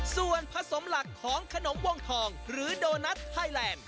ส่วนผสมหลักของขนมวงทองหรือโดนัทไทยแลนด์